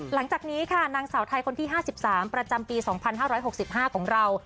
หลังจากนี้ค่ะนางสาวไทยคนที่๕๓ประจำปี๒๕๖๕ของเรา